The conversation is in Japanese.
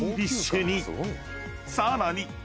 ［さらに］